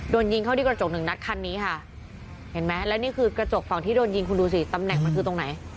โดนยิงเข้าที่กระจกหนึ่งนัดคันนี้ค่ะเห็นไหมแล้วนี่คือกระจกฝั่งที่โดนยิงคุณดูสิตำแหน่งมันคือตรงไหน